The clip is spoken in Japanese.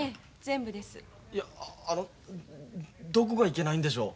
いやあのどこがいけないんでしょう？